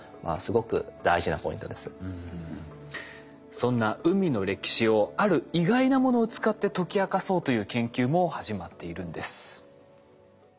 そんな海の歴史をある意外なものを使って解き明かそうという研究も始まっているんです。